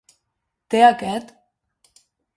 Té aquest??